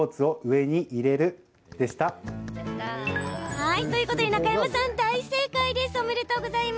はいということで中山さん大正解です！